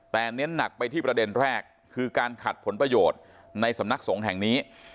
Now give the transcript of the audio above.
แต่เน้นหนักไปที่ประเด็นแรกคือการขัดผลประโยชน์ในสำนักสงฆ์แห่งนี้